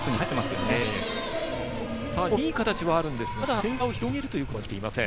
日本いい形はあるんですがまだ点差を広げるということはできていません。